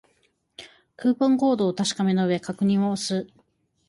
クーポンコードをお確かめの上、確認を押す